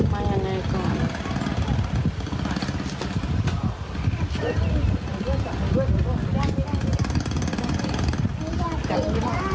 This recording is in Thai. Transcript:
ไม่ได้ไม่ได้